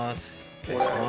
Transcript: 失礼します。